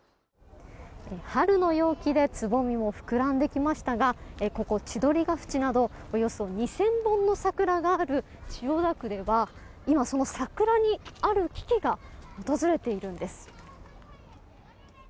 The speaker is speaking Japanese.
春の陽気でつぼみも膨らんできましたがここ千鳥ケ淵などおよそ２０００本の桜がある千代田区では今、桜にある危機が訪れているんです。